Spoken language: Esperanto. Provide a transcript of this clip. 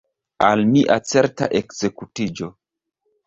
Al mia certa ekzekutiĝo!